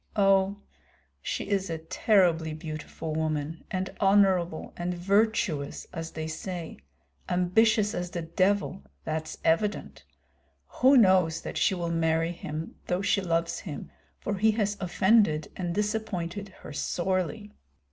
Oh, she is a terribly beautiful woman, and honorable and virtuous, as they say; ambitious as the devil, that's evident. Who knows that she will marry him though she loves him, for he has offended and disappointed her sorely.